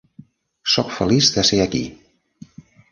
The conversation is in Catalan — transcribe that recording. Sóc feliç de ser aquí!